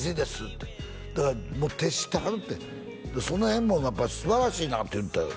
ってだからもう徹してはるってその辺もやっぱすばらしいなって言うてたよ